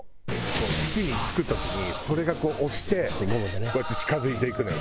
岸に着く時にそれがこう押してこうやって近付いていくのよ